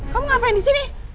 kamu ngapain disini